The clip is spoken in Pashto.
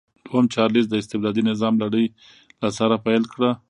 دویم چارلېز د استبدادي نظام لړۍ له سره پیل کړه.